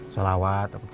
sholawat gitu ya